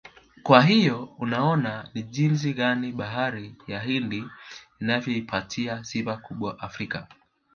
Kwa hiyo unaona ni jinsi gani bahari ya Hindi inavyoipatia sifa kubwa Afrika